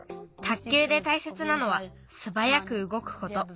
卓球でたいせつなのはすばやくうごくこと。